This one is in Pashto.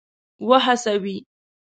وهڅوي.